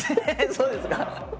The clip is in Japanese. そうですか？